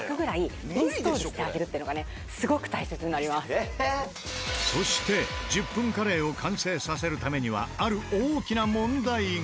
これは」そして１０分カレーを完成させるためにはある大きな問題が。